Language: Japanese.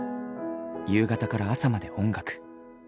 夕方から朝まで音楽。